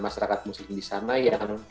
masyarakat muslim di sana yang